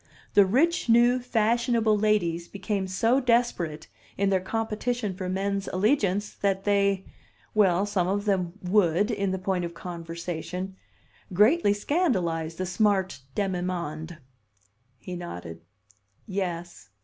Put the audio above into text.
The rich new fashionable ladies became so desperate in their competition for men's allegiance that they well, some of them would, in the point of conversation, greatly scandalize the smart demi monde." He nodded. "Yes.